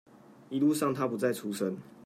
一路上他不再出聲